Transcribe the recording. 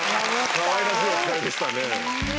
かわいらしいおつかいでしたね。